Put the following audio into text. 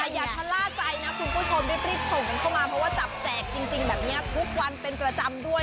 แต่อย่าชะล่าใจนะคุณผู้ชมรีบส่งกันเข้ามาเพราะว่าจับแจกจริงแบบนี้ทุกวันเป็นประจำด้วย